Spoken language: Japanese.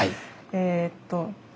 えっと